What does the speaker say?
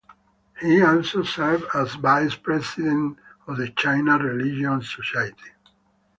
He also served as Vice President of the China Religion Society.